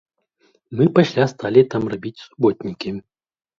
Мы пасля сталі там рабіць суботнікі.